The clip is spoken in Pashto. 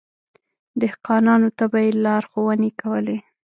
دهقانانو ته به يې لارښونې کولې.